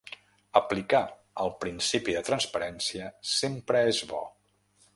“Aplicar el principi de transparència sempre és bo”.